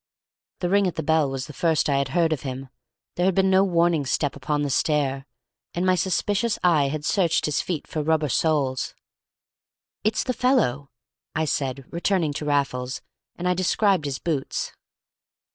The ring at the bell was the first I had heard of him, there had been no warning step upon the stairs, and my suspicious eye had searched his feet for rubber soles. "It's the fellow," I said, returning to Raffles, and I described his boots.